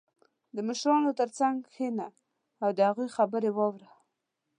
• د مشرانو تر څنګ کښېنه او د هغوی خبرې واوره.